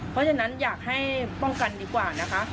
เพราะฉะนั้นอยากให้ป้องกันดีกว่านะคะ